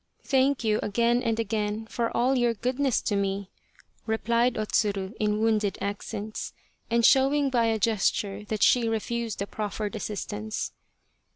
Thank you again and again for all your goodness to 2s The Quest of the Sword me," replied O Tsuru in wounded accents, and show ing by a gesture that she refused the proffered as sistance.